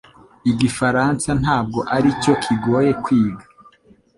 Igifaransa ntabwo aricyo kigoye kwiga